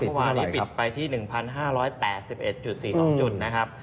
เมื่อวานนี้ปิดไปที่๑๕๘๑๔๒จุดนะครับ